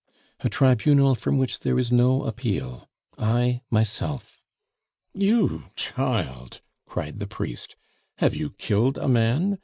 "A tribunal from which there is no appeal I myself." "You, child!" cried the priest. "Have you killed a man?